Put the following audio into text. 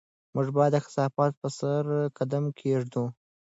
موږ باید د کثافاتو په سر قدم کېږدو.